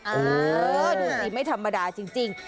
เออดูสิไม่ธรรมดาจริง